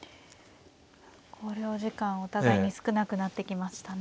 考慮時間お互いに少なくなってきましたね。